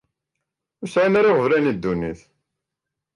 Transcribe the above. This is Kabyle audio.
Ur sɛin ara iɣeblan di ddunit.